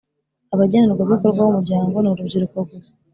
Abagenerwabikorwa b umuryango ni urubyiruko gusa